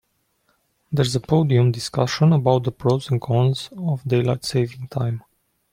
There's a podium discussion about the pros and cons of daylight saving time.